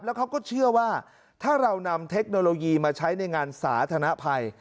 แล้วเขาก็เชื่อว่าถ้าเรานำเทคโนโลยีมาใช้ในงานสาธารณภัย